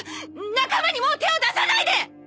仲間にもう手を出さないで！